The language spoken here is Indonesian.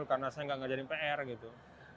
lupa atau memang rebel pada saat itu